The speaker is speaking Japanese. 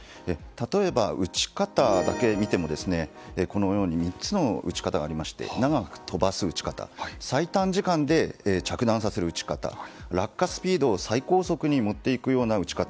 例えば、撃ち方だけ見てもこのように３つの撃ち方がありまして長く飛ばす撃ち方最短時間で着弾させる撃ち方落下スピードを最高速に持っていくような撃ち方。